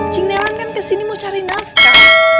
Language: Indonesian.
cing nelan kan ke sini mau cari nafkah